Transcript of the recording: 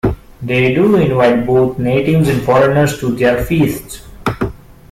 They do invite both natives and foreigners to their feasts.